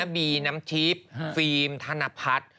บีน้ำทิพย์ฟิล์มธนพัฒน์